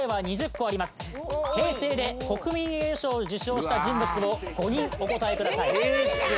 平成で国民栄誉賞を受賞した人物を５人お答えください